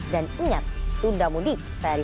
dan ingat tunda mundi